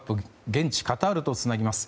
現地カタールとつなぎます。